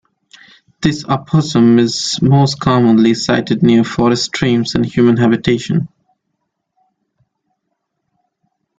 This opossum is most commonly sighted near forest streams and human habitation.